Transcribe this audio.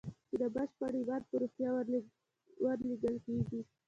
چې د بشپړ ايمان په روحيه ورلېږل کېږي.